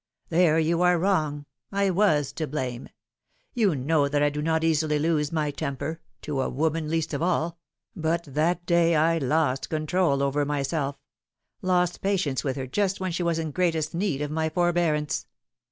" There you are wrong. I was to blame. You know that I do not easily lose my temper to a woman, least of all ; but that day I lost control over myself lost patience with her just when she was in greatest need of my forbearance.